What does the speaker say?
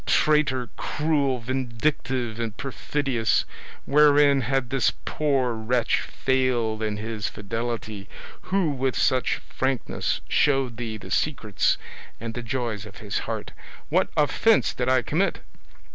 Traitor, cruel, vindictive, and perfidious, wherein had this poor wretch failed in his fidelity, who with such frankness showed thee the secrets and the joys of his heart? What offence did I commit?